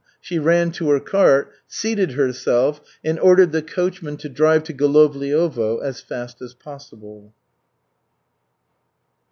She ran to her cart, seated herself, and ordered the coachman to drive to Golovliovo as fast as possible.